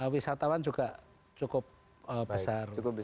wisatawan juga cukup besar